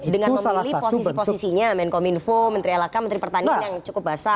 dengan memilih posisi posisinya menkominfo menteri lhk menteri pertanian yang cukup basah